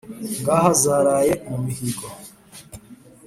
ngaha zaraye mu mihigo.